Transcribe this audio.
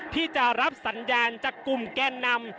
ที่จะรับสัญญาณจากกลุ่มแกนนำ